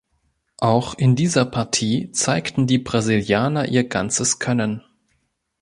Auch in dieser Partie zeigten die Brasilianer ihr ganzes Können.